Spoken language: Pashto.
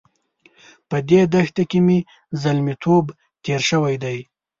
په دې دښته کې مې زلميتوب تېر شوی دی.